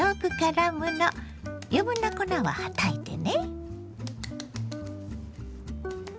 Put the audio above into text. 余分な粉ははたいてね。